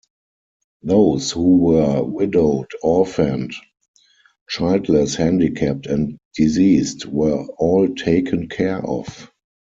Those who were widowed, orphaned, childless, handicapped and diseased were all taken care of.